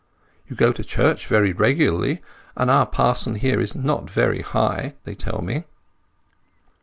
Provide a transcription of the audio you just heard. "You go to church very regularly, and our parson here is not very High, they tell me."